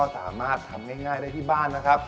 ทำง่ายได้ที่บ้านนะครับ